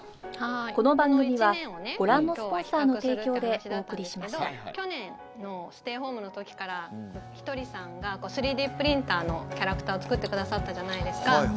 この１年を今日は比較するというお話だったんですけど去年のステイホームの時からひとりさんが３Ｄプリンターのキャラクターを作ってくださったじゃないですか。